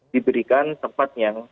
diberikan tempat yang